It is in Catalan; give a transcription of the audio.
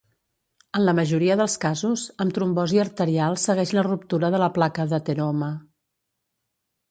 En la majoria dels casos, amb trombosi arterial segueix la ruptura de la placa d'ateroma.